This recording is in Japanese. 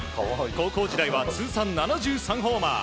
高校時代は通算７３ホーマー